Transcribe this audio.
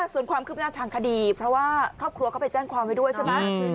ส่วนความคืบหน้าทางคดีเพราะว่าครอบครัวเขาไปแจ้งความไว้ด้วยใช่ไหม